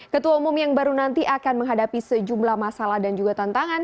ketua umum yang baru nanti akan menghadapi sejumlah masalah dan juga tantangan